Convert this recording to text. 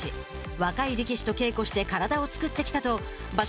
若い力士と稽古して体を作ってきたと場所